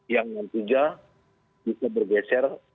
yang yang tujuh bisa bergeser